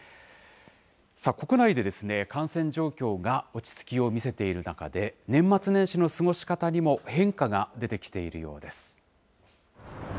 さあ、国内で感染状況が落ち着きを見せている中で、年末年始の過ごし方にも変化が出てきているようです。